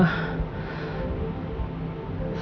saya harus ke sana